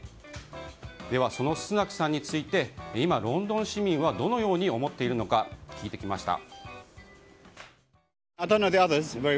そのスナクさんについて今、ロンドン市民はどのように思っているのか聞いてきました。